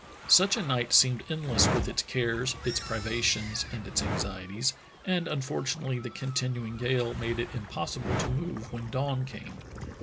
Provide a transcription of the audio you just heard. Such a night seemed endless with its cares, its privations, and its anxieties, and unfortu nately the continuing gale made it impossible to move when dawn came.